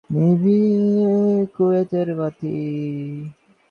কিয়েত, ওর নামটা কী?